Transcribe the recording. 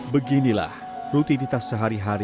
beginilah rutinitas sehari hari